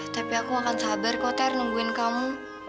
tapi aku akan sabar kok ter nungguin kamu